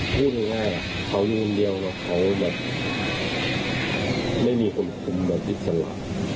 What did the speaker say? พูดง่ายเขาอยู่อันเดียวนะเขาแบบไม่มีควบคุมแบบอิสระ